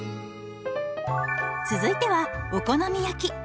続いてはお好み焼き。